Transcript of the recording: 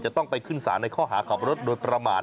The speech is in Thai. จะต้องไปขึ้นศาลในข้อหาขับรถโดยประมาท